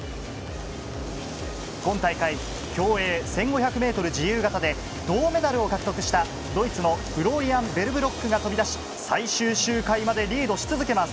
今大会、競泳１５００ｍ自由形で銅メダルを獲得したドイツのフローリアン・ヴェルブロックが飛び出し最終周回までリードし続けます。